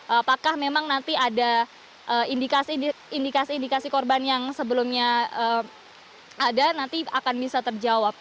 apakah memang nanti ada indikasi indikasi korban yang sebelumnya ada nanti akan bisa terjawab